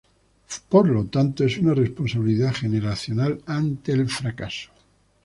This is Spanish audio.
Por lo tanto, es una responsabilidad generacional ante el fracaso.